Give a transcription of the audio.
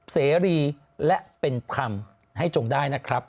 เสรีและเป็นธรรมให้จงได้นะครับ